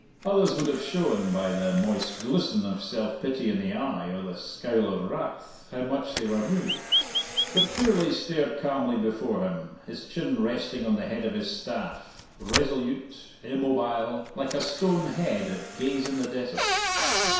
Others would have shown, by the moist glisten of self pity in the eye, or the scowl of wrath, how much they were moved; but Gourlay stared calmly before him, his chin resting on the head of his staff, resolute, immobile, like a stone head at gaze in the desert.